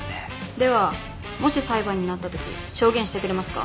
ではもし裁判になったとき証言してくれますか？